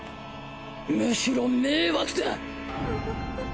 むしろ迷惑だ！